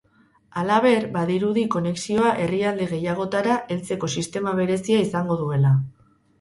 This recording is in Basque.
Halaber, badirudi konexioa herrialde gehiagotara heltzeko sistema berezia izango duela.